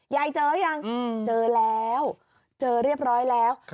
เจอยังเจอแล้วเจอเรียบร้อยแล้ว